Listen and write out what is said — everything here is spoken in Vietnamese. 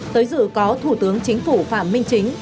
tới dự có thủ tướng chính phủ phạm minh chính